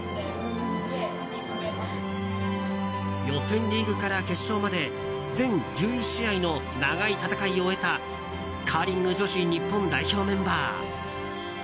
予選リーグから決勝まで全１１試合の長い戦いを終えたカーリング女子日本代表メンバー。